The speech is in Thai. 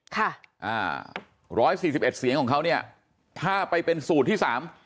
ค่ะ๑๔๑เสียงของเขาเนี่ยถ้าไปเป็นสูตรที่๓